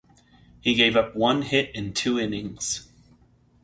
He gave up one hit in two innings.